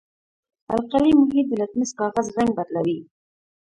القلي محیط د لتمس کاغذ رنګ بدلوي.